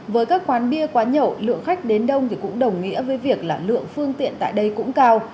với các quán bia quán nhậu lượng khách đến đông thì cũng đồng nghĩa với việc là lượng phương tiện tại đây cũng cao